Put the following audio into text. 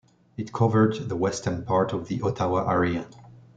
It covered the western part of the Ottawa area.